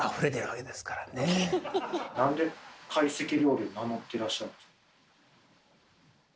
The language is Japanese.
なんで懐石料理を名乗っていらっしゃるんですか？